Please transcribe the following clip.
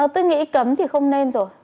tôi nghĩ cấm thì không nên rồi